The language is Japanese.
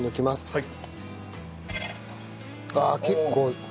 はい。